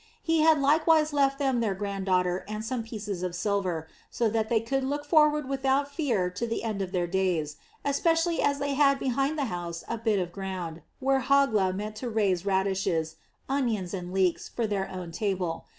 He had likewise left them their granddaughter and some pieces of silver, so that they could look forward without fear to the end of their days, especially as they had behind the house a bit of ground, where Hogla meant to raise radishes, onions, and leeks for their own table.